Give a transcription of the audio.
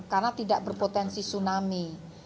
karena tidak berpotensi tsunami